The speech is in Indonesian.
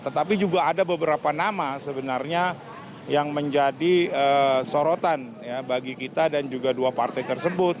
tetapi juga ada beberapa nama sebenarnya yang menjadi sorotan bagi kita dan juga dua partai tersebut